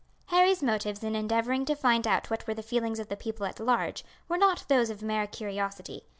Harry's motives in endeavouring to find out what were the feelings of the people at large, were not those of mere curiosity.